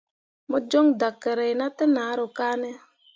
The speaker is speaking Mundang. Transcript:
Mo jon dakerre na te nahro kane ?